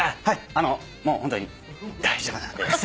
あのもうホントに大丈夫なんで。